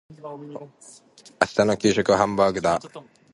明日の給食はハンバーグだ。